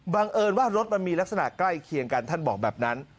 เอิญว่ารถมันมีลักษณะใกล้เคียงกันท่านบอกแบบนั้น